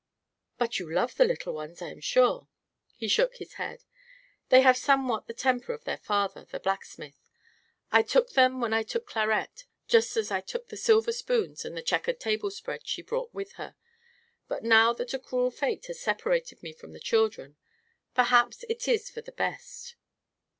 "But you love the little ones, I am sure." He shook his head. "They have somewhat the temper of their father, the blacksmith. I took them when I took Clarette just as I took the silver spoons and the checkered tablespread she brought with her but now that a cruel fate has separated me from the children, perhaps it is all for the best."